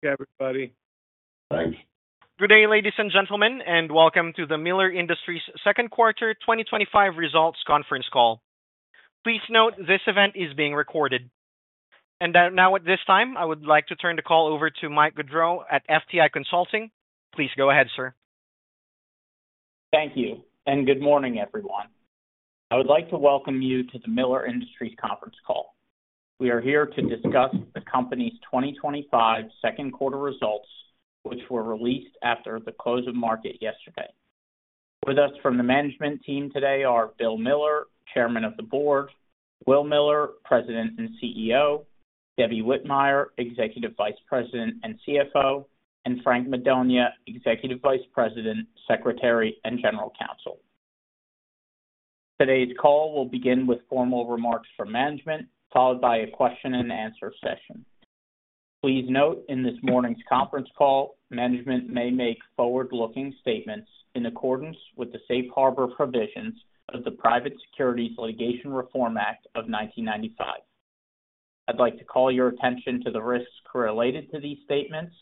Good day, ladies and gentlemen, and welcome to the Miller Industries' Second Quarter 2025 Results Conference Call. Please note this event is being recorded. At this time, I would like to turn the call over to Mike Gaudreau at FTI Consulting. Please go ahead, sir. Thank you, and good morning, everyone. I would like to welcome you to the Miller Industries' Conference Call. We are here to discuss the company's 2025 second-quarter results, which were released after the close of market yesterday. With us from the management team today are Bill Miller, Chairman of the Board, Will Miller, President and CEO, Debbie Whitmire, Executive Vice President and CFO, and Frank Madonia, Executive Vice President, Secretary, and General Counsel. Today's call will begin with formal remarks from management, followed by a question-and-answer session. Please note in this morning's conference call, management may make forward-looking statements in accordance with the Safe Harbor provisions of the Private Securities Litigation Reform Act of 1995. I'd like to call your attention to the risks related to these statements,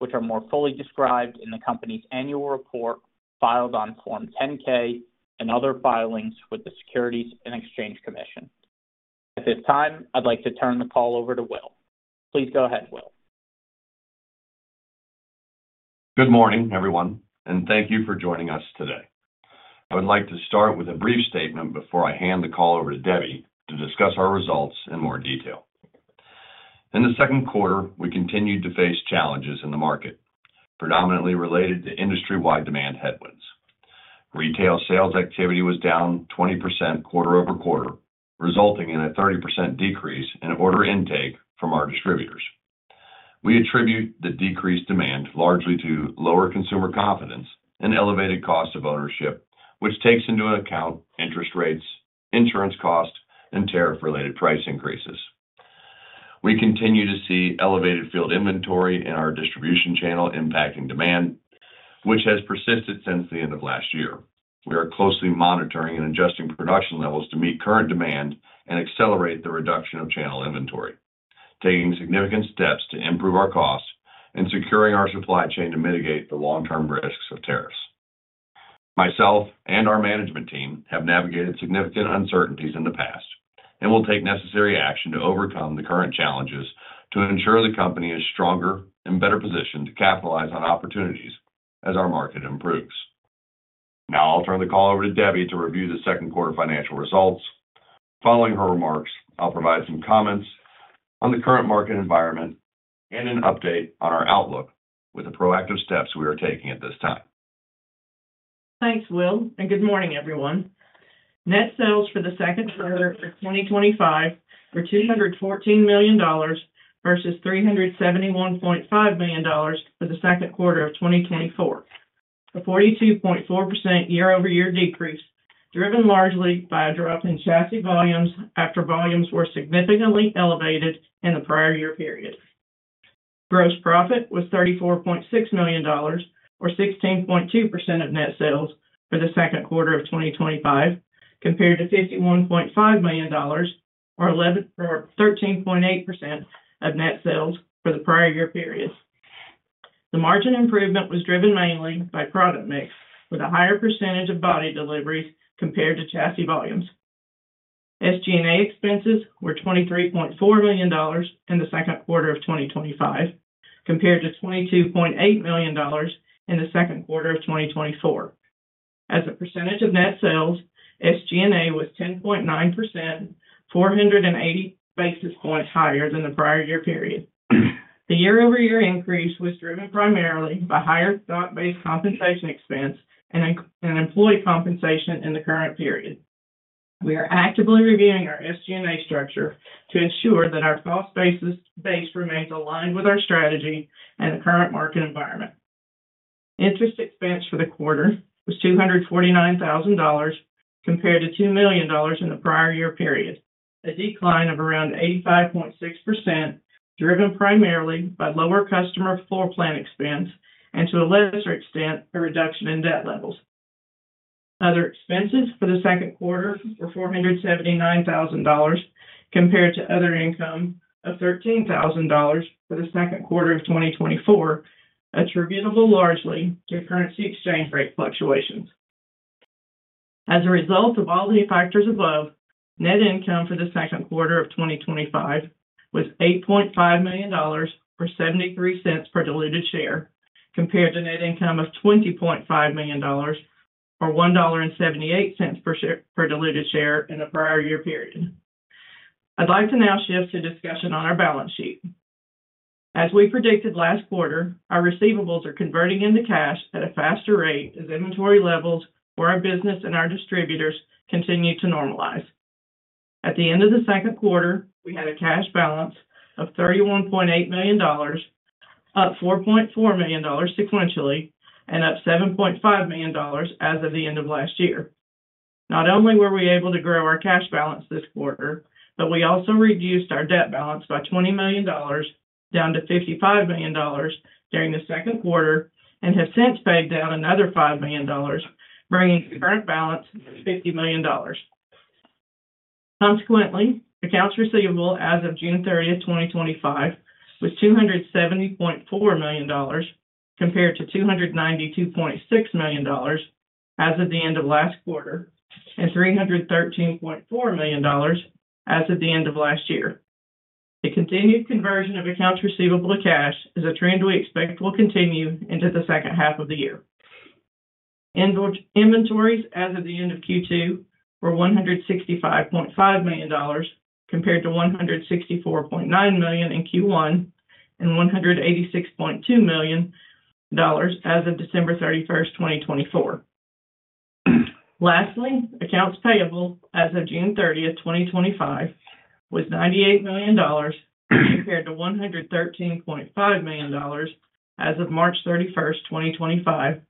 which are more fully described in the company's annual report filed on Form 10-K and other filings with the Securities and Exchange Commission. At this time, I'd like to turn the call over to Will. Please go ahead, Will. Good morning, everyone, and thank you for joining us today. I would like to start with a brief statement before I hand the call over to Debbie to discuss our results in more detail. In the second quarter, we continued to face challenges in the market, predominantly related to industry-wide demand headwinds. Retail sales activity was down 20% quarter-over-quarter, resulting in a 30% decrease in order intake from our distributors. We attribute the decreased demand largely to lower consumer confidence and elevated cost of ownership, which takes into account interest rates, insurance costs, and tariff-related price increases. We continue to see elevated field inventory in our distribution channel impacting demand, which has persisted since the end of last year. We are closely monitoring and adjusting production levels to meet current demand and accelerate the reduction of channel inventory, taking significant steps to improve our costs and securing our supply chain to mitigate the long-term risks of tariffs. Myself and our management team have navigated significant uncertainties in the past and will take necessary action to overcome the current challenges to ensure the company is stronger and better positioned to capitalize on opportunities as our market improves. Now, I'll turn the call over to Debbie to review the second quarter financial results. Following her remarks, I'll provide some comments on the current market environment and an update on our outlook with the proactive steps we are taking at this time. Thanks, Will, and good morning, everyone. Net sales for the second quarter of 2025 were $214 million versus $371.5 million for the second quarter of 2024, a 42.4% year-over-year decrease driven largely by a drop in chassis volumes after volumes were significantly elevated in the prior year period. Gross profit was $34.6 million, or 16.2% of net sales for the second quarter of 2025, compared to $51.5 million, or 13.8% of net sales for the prior year period. The margin improvement was driven mainly by product mix, with a higher percentage of body deliveries compared to chassis volumes. SG&A expenses were $23.4 million in the second quarter of 2025, compared to $22.8 million in the second quarter of 2024. As a percentage of net sales, SG&A was 10.9%, 480 basis points higher than the prior year period. The year-over-year increase was driven primarily by higher stock-based compensation expense and employee compensation in the current period. We are actively reviewing our SG&A structure to ensure that our cost base remains aligned with our strategy and the current market environment. Interest expense for the quarter was $249,000 compared to $2 million in the prior year period, a decline of around 85.6% driven primarily by lower customer floor plan expense and, to a lesser extent, a reduction in debt levels. Other expenses for the second quarter were $479,000 compared to other income of $13,000 for the second quarter of 2024, attributable largely to currency exchange rate fluctuations. As a result of all these factors above, net income for the second quarter of 2025 was $8.5 million or $0.73 per diluted share, compared to net income of $20.5 million or $1.78 per diluted share in the prior year period. I'd like to now shift to discussion on our balance sheet. As we predicted last quarter, our receivables are converting into cash at a faster rate as inventory levels for our business and our distributors continue to normalize. At the end of the second quarter, we had a cash balance of $31.8 million, up $4.4 million sequentially, and up $7.5 million as of the end of last year. Not only were we able to grow our cash balance this quarter, but we also reduced our debt balance by $20 million, down to $55 million during the second quarter, and have since paid down another $5 million, bringing our balance to $50 million. Consequently, accounts receivable as of June 30th, 2025, was $270.4 million compared to $292.6 million as of the end of last quarter and $313.4 million as of the end of last year. The continued conversion of accounts receivable to cash is a trend we expect will continue into the second half of the year. Inventories as of the end of Q2 were $165.5 million compared to $164.9 million in Q1 and $186.2 million as of December 31, 2024. Lastly, accounts payable as of June 30th, 2025, was $98 million compared to $113.5 million as of March 31st, 2025,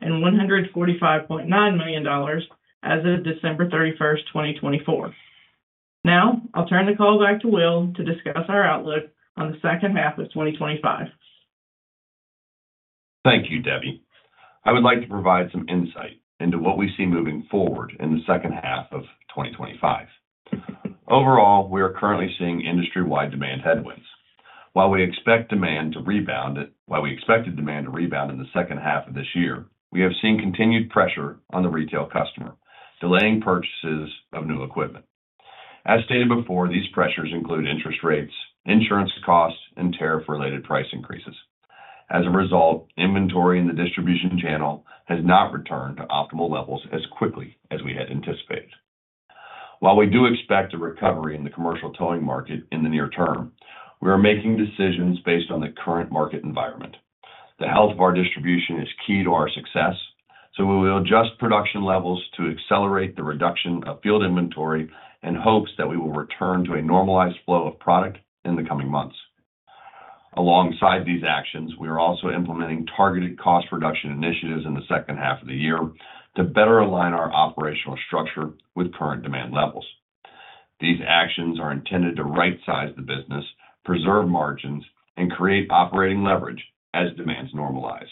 and $145.9 million as of December 31st, 2024. Now, I'll turn the call back to Will to discuss our outlook on the second half of 2025. Thank you, Debbie. I would like to provide some insight into what we see moving forward in the second half of 2025. Overall, we are currently seeing industry-wide demand headwinds. While we expected demand to rebound in the second half of this year, we have seen continued pressure on the retail customer, delaying purchases of new equipment. As stated before, these pressures include interest rates, insurance costs, and tariff-related price increases. As a result, inventory in the distribution channel has not returned to optimal levels as quickly as we had anticipated. While we do expect a recovery in the commercial towing market in the near term, we are making decisions based on the current market environment. The health of our distribution is key to our success, so we will adjust production levels to accelerate the reduction of field inventory in hopes that we will return to a normalized flow of product in the coming months. Alongside these actions, we are also implementing targeted cost reduction initiatives in the second half of the year to better align our operational structure with current demand levels. These actions are intended to right-size the business, preserve margins, and create operating leverage as demands normalize.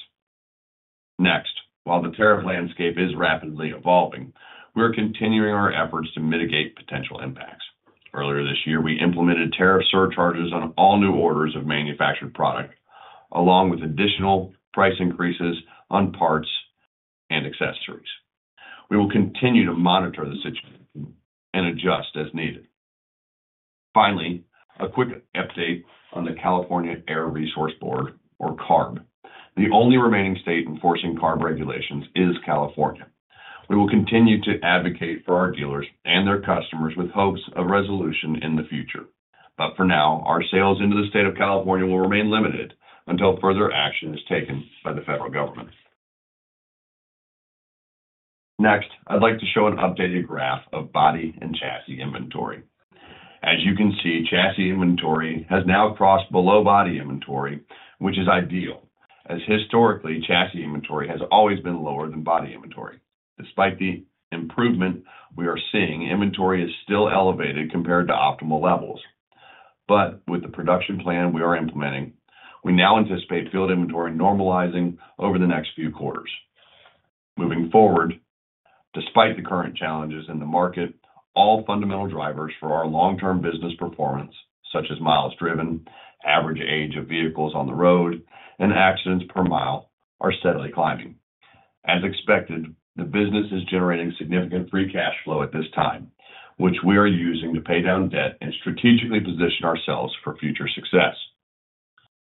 Next, while the tariff landscape is rapidly evolving, we are continuing our efforts to mitigate potential impacts. Earlier this year, we implemented tariff surcharges on all new orders of manufactured product, along with additional price increases on parts and accessories. We will continue to monitor the situation and adjust as needed. Finally, a quick update on the California Air Resources Board, or CARB. The only remaining state enforcing CARB regulations is California. We will continue to advocate for our dealers and their customers with hopes of resolution in the future. For now, our sales into the state of California will remain limited until further action is taken by the federal government. Next, I'd like to show an updated graph of body and chassis inventory. As you can see, chassis inventory has now crossed below body inventory, which is ideal, as historically chassis inventory has always been lower than body inventory. Despite the improvement we are seeing, inventory is still elevated compared to optimal levels. With the production plan we are implementing, we now anticipate field inventory normalizing over the next few quarters. Moving forward, despite the current challenges in the market, all fundamental drivers for our long-term business performance, such as miles driven, average age of vehicles on the road, and accidents per mile, are steadily climbing. As expected, the business is generating significant free cash flow at this time, which we are using to pay down debt and strategically position ourselves for future success.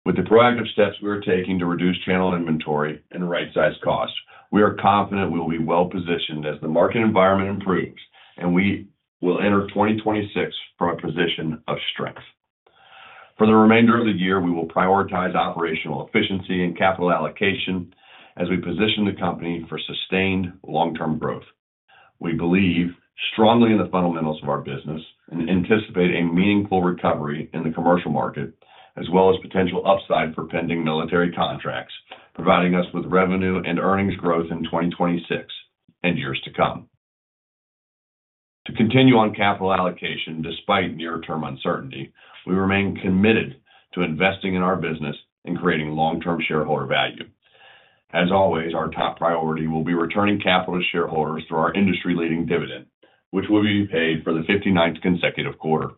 With the proactive steps we are taking to reduce channel inventory and right-size costs, we are confident we will be well-positioned as the market environment improves, and we will enter 2026 from a position of strength. For the remainder of the year, we will prioritize operational efficiency and capital allocation as we position the company for sustained long-term growth. We believe strongly in the fundamentals of our business and anticipate a meaningful recovery in the commercial market, as well as potential upside for pending military contracts, providing us with revenue and earnings growth in 2026 and years to come. To continue on capital allocation despite near-term uncertainty, we remain committed to investing in our business and creating long-term shareholder value. As always, our top priority will be returning capital to shareholders through our industry-leading dividend, which will be paid for the 59th consecutive quarter.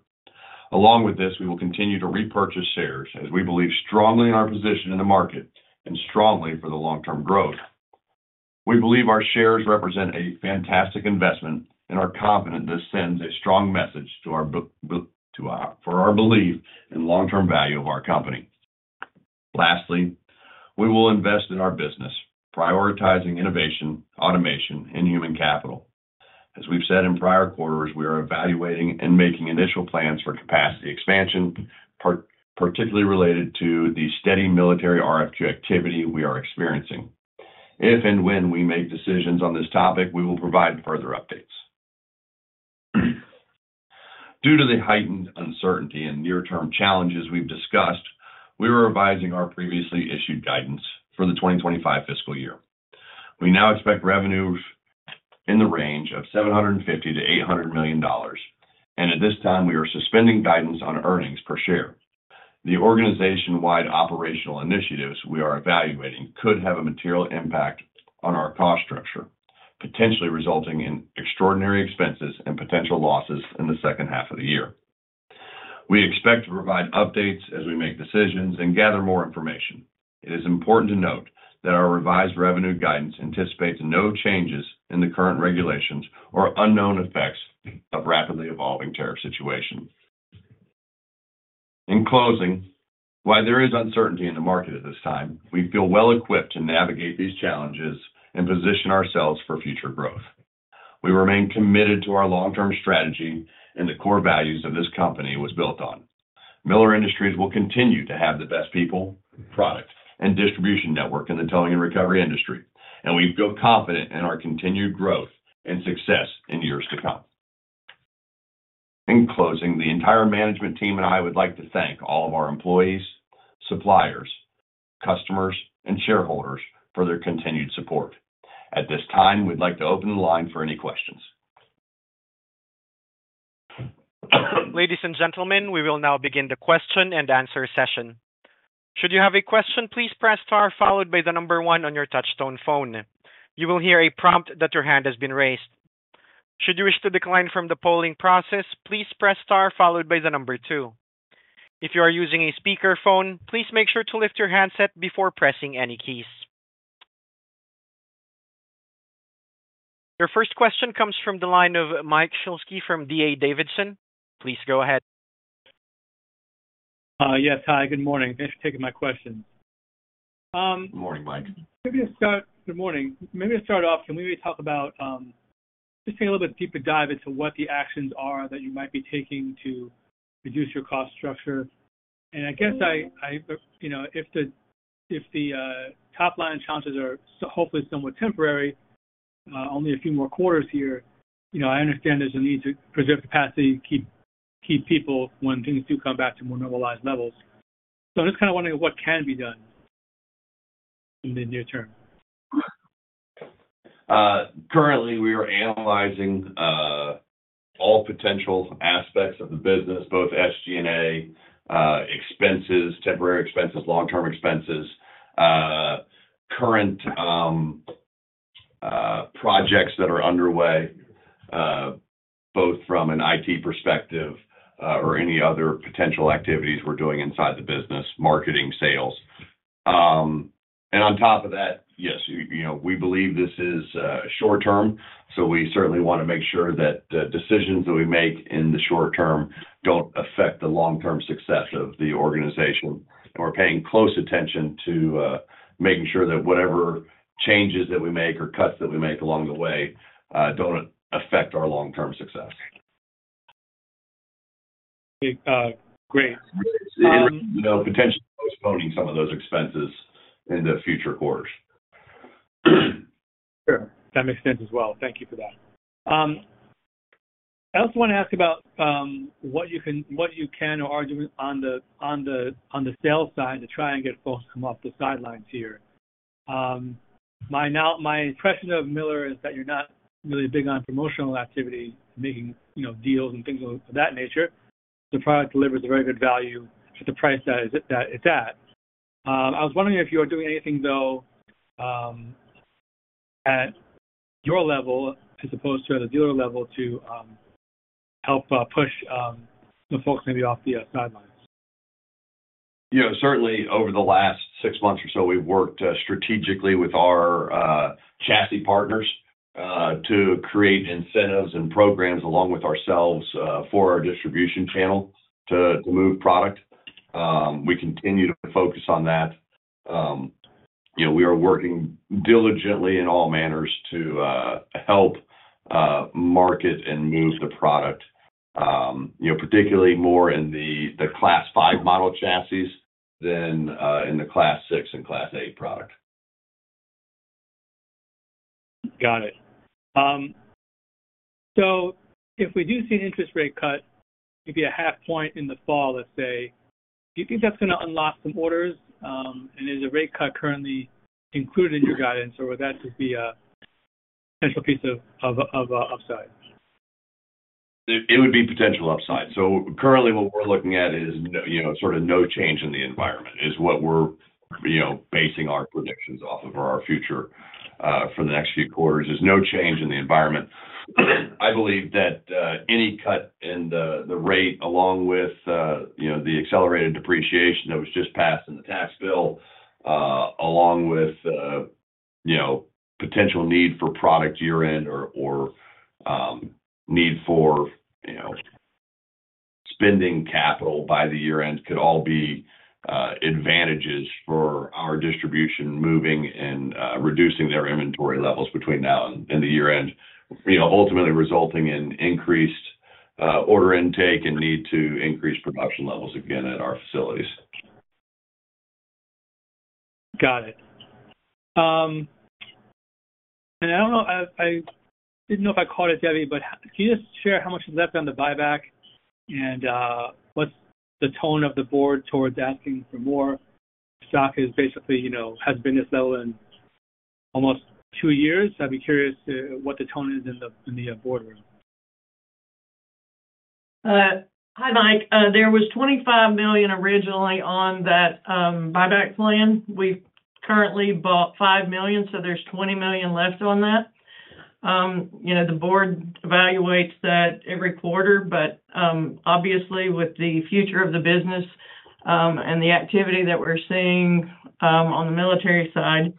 Along with this, we will continue to repurchase shares as we believe strongly in our position in the market and strongly for the long-term growth. We believe our shares represent a fantastic investment and are confident this sends a strong message to our belief in the long-term value of our company. Lastly, we will invest in our business, prioritizing innovation, automation, and human capital. As we've said in prior quarters, we are evaluating and making initial plans for capacity expansion, particularly related to the steady military RFQ activity we are experiencing. If and when we make decisions on this topic, we will provide further updates. Due to the heightened uncertainty and near-term challenges we've discussed, we are revising our previously issued guidance for the 2025 fiscal year. We now expect revenues in the range of $750 million-800 million, and at this time, we are suspending guidance on earnings per share. The organization-wide operational initiatives we are evaluating could have a material impact on our cost structure, potentially resulting in extraordinary expenses and potential losses in the second half of the year. We expect to provide updates as we make decisions and gather more information. It is important to note that our revised revenue guidance anticipates no changes in the current regulations or unknown effects of rapidly evolving tariff situations. In closing, while there is uncertainty in the market at this time, we feel well-equipped to navigate these challenges and position ourselves for future growth. We remain committed to our long-term strategy and the core values this company was built on. Miller Industries will continue to have the best people, product, and distribution network in the towing and recovery industry, and we feel confident in our continued growth and success in years to come. In closing, the entire management team and I would like to thank all of our employees, suppliers, customers, and shareholders for their continued support. At this time, we'd like to open the line for any questions. Ladies and gentlemen, we will now begin the question-and-answer session. Should you have a question, please press star followed by the number one on your touch-tone phone. You will hear a prompt that your hand has been raised. Should you wish to decline from the polling process, please press star followed by the number two. If you are using a speakerphone, please make sure to lift your handset before pressing any keys. Your first question comes from the line of Mike Shlisky from D.A. Davidson. Please go ahead. Yes, hi, good morning. Thanks for taking my question. Morning, Mike. Good morning. Maybe to start off, can we talk about, just take a little bit deeper dive into what the actions are that you might be taking to reduce your cost structure? I guess if the top line challenges are hopefully somewhat temporary, only a few more quarters here, I understand there's a need to preserve capacity, keep people when things do come back to more normalized levels. I'm just kind of wondering what can be done in the near term. Currently, we are analyzing all potential aspects of the business, both SG&A expenses, temporary expenses, long-term expenses, current projects that are underway, both from an IT perspective or any other potential activities we're doing inside the business, marketing, sales. We believe this is short-term, so we certainly want to make sure that the decisions that we make in the short term don't affect the long-term success of the organization. We're paying close attention to making sure that whatever changes that we make or cuts that we make along the way don't affect our long-term success. Great. Potentially postponing some of those expenses in future quarters. Sure. That makes sense as well. Thank you for that. I also want to ask about what you can or are doing on the sales side to try and get folks to come off the sidelines here. My impression of Miller Industries is that you're not really big on promotional activity, making deals and things of that nature. The product delivers a very good value at the price that it's at. I was wondering if you are doing anything, though, at your level, as opposed to at a dealer level, to help push folks maybe off the sidelines. Certainly over the last six months or so, we worked strategically with our chassis partners to create incentives and programs along with ourselves for our distribution channel to move product. We continue to focus on that. We are working diligently in all manners to help market and move the product, particularly more in the Class 5 model chassis than in the Class 6 and Class 8 product. Got it. If we do see an interest rate cut, maybe a half point in the fall, let's say, do you think that's going to unlock some orders? Is a rate cut currently included in your guidance, or would that just be a potential piece of upside? It would be potential upside. Currently, what we're looking at is, you know, sort of no change in the environment is what we're, you know, basing our predictions off of our future for the next few quarters. There's no change in the environment. I believe that any cut in the rate, along with, you know, the accelerated depreciation that was just passed in the tax bill, along with, you know, potential need for product year-end or need for, you know, spending capital by the year-end, could all be advantages for our distribution moving and reducing their inventory levels between now and the year-end, ultimately resulting in increased order intake and need to increase production levels again at our facilities. Got it. I don't know, I didn't know if I caught it, Debbie, but can you just share how much is left on the buyback and what's the tone of the board towards asking for more? Stock is basically, you know, has been this level in almost two years. I'd be curious to what the tone is in the boardroom. Hi, Mike. There was $25 million originally on that buyback plan. We've currently bought $5 million, so there's $20 million left on that. The board evaluates that every quarter, but obviously, with the future of the business and the activity that we're seeing on the military side,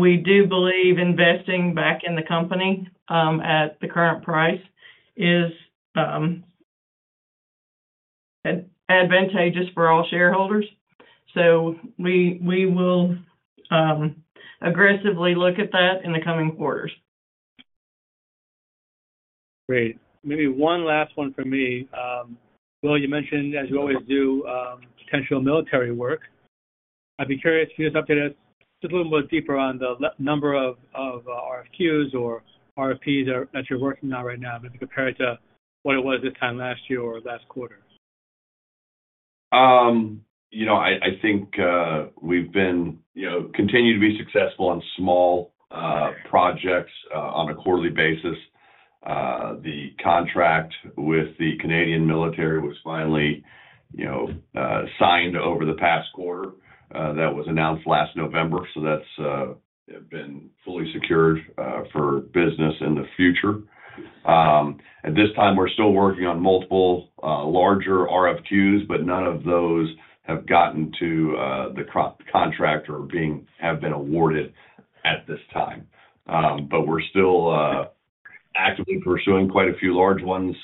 we do believe investing back in the company at the current price is advantageous for all shareholders. We will aggressively look at that in the coming quarters. Great. Maybe one last one from me. Will, you mentioned, as you always do, potential military work. I'd be curious if you could just update us a little bit deeper on the number of RFQs or RFPs that you're working on right now, maybe compared to what it was this time last year or last quarter. I think we've continued to be successful on small projects on a quarterly basis. The contract with the Canadian military was finally signed over the past quarter. That was announced last November, so that's been fully secured for business in the future. At this time, we're still working on multiple larger RFQs, but none of those have gotten to the contract or have been awarded at this time. We're still actively pursuing quite a few large ones,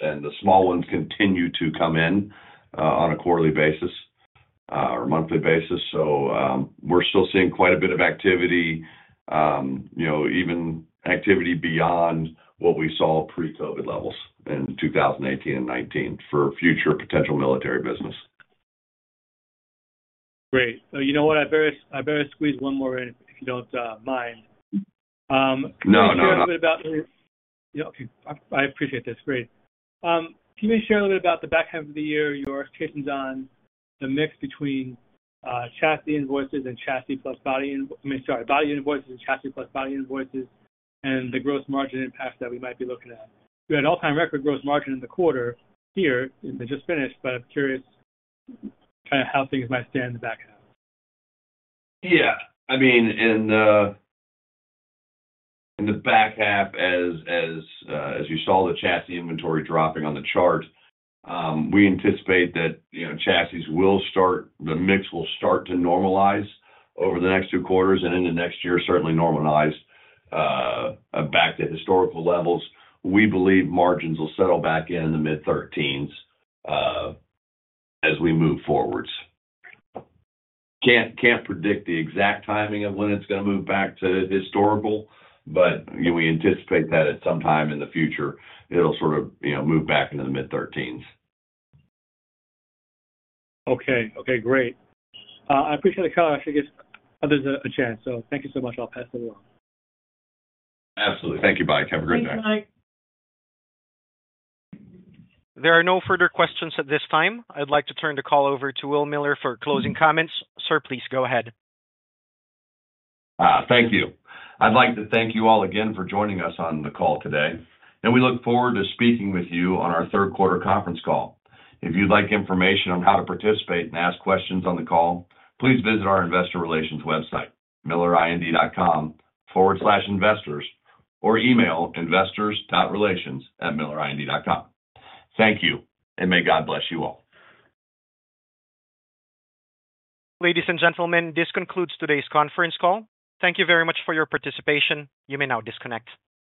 and the small ones continue to come in on a quarterly basis or monthly basis. We're still seeing quite a bit of activity, even activity beyond what we saw pre-COVID levels in 2018 and 2019 for future potential military business. Great. You know what? I better squeeze one more in, if you don't mind. No, no, no. I appreciate this. Can you maybe share a little bit about the back half of the year, your expectations on the mix between chassis invoices and chassis plus body invoices? I mean, sorry, body invoices and chassis plus body invoices, and the gross margin impact that we might be looking at. We had an all-time record gross margin in the quarter here that just finished, but I'm curious kind of how things might stand in the back half. Yeah. In the back half, as you saw the chassis inventory dropping on the chart, we anticipate that chassis will start, the mix will start to normalize over the next two quarters, and in the next year, certainly normalize back to historical levels. We believe margins will settle back in the mid-13s as we move forwards. Can't predict the exact timing of when it's going to move back to historical, but we anticipate that at some time in the future, it'll sort of move back into the mid-13s. Okay. Okay. Great. I appreciate the call. I think it's a chance, so thank you so much. I'll pass the wheel. Absolutely. Thank you, Mike. Have a great day. Thank you, Mike. There are no further questions at this time. I'd like to turn the call over to Will Miller for closing comments. Sir, please go ahead. Thank you. I'd like to thank you all again for joining us on the call today. We look forward to speaking with you on our third-quarter conference call. If you'd like information on how to participate and ask questions on the call, please visit our investor relations website, millerind.com/investors, or email investors.relations@millerind.com. Thank you, and may God bless you all. Ladies and gentlemen, this concludes today's Conference Call. Thank you very much for your participation. You may now disconnect.